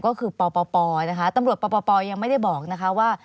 ก็คือปปนะคะตำรวจปปยังไม่ได้บอกนะคะว่า